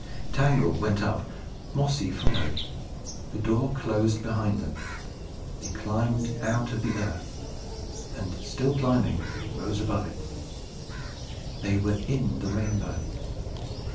Tangle went up. Mossy followed. The door closed behind them. They climbed out of the earth; and, still climbing, rose above it. They were in the rainbow.